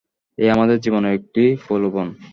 এ আমাদের জীবনের একটি প্রলোভন।